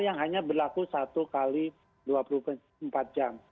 yang hanya berlaku satu x dua puluh empat jam